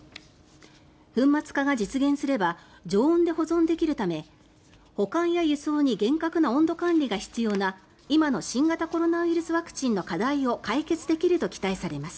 粉末化が実現すれば常温で保管できるため保管や輸送に厳格な温度管理が必要な今の新型コロナウイルスワクチンの課題を解決できると期待されます。